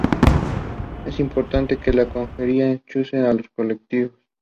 Es importante que la consejería escuche a los colectivos